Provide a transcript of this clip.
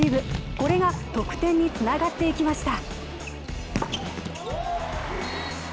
これが得点につながっていきました。